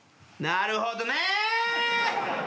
なるほどね！